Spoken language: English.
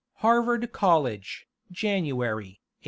Harvard College, January, 1890.